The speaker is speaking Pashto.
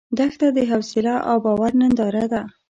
دښته د حوصله او باور ننداره ده.